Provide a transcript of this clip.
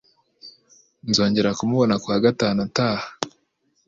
Nzongera kumubona kuwa gatanu utaha.